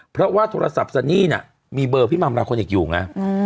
เพราะว่าโทรศัพท์ซันนี่น่ะมีเบอร์พี่มัมลาคนอีกอยู่ไง